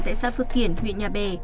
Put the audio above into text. tại xã phước kiển huyện nhà bè